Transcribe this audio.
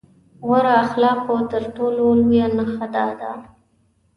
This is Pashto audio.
غوره اخلاقو تر ټولو لويه نښه دا ده.